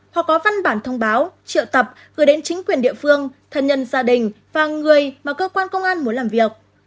hoặc có văn bản thông báo triệu tập gửi đến chính quyền địa phương thân nhân gia đình và người mà cơ quan công an muốn làm việc